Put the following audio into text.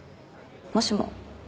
もしも。